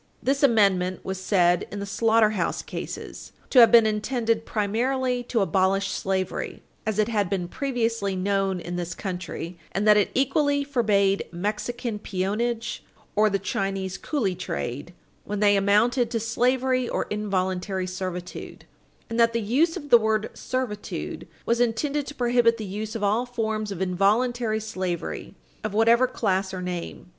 This amendment was said in the Slaughterhouse Cases, 16 Wall. 36, to have been intended primarily to abolish slavery as it had been previously known in this country, and that it equally forbade Mexican peonage or the Chinese coolie trade when they amounted to slavery or involuntary servitude, and that the use of the word "servitude" was intended to prohibit the use of all forms of involuntary slavery, of whatever class or name.